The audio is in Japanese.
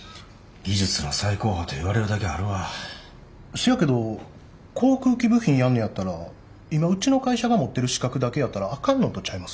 せやけど航空機部品やんねやったら今うちの会社が持ってる資格だけやったらあかんのとちゃいます？